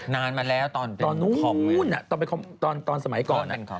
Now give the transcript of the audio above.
นานมาแล้วตอนเป็นธรรมตอนนู้นตอนสมัยก่อน